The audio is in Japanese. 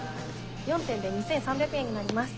４点で２，３００円になります。